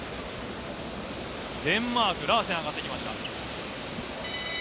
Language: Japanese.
デンマーク上がってきました。